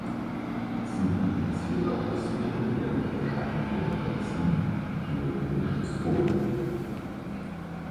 Sie publiziert auch das vierteljährlich erscheinende Magazin "Geologisches Forum".